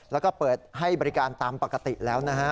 แล้วก็เปิดให้บริการตามปกติแล้วนะฮะ